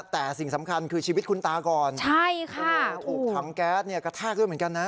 แต่สิ่งสำคัญคือชีวิตคุณตาก่อนใช่ค่ะถูกถังแก๊สเนี่ยกระแทกด้วยเหมือนกันนะ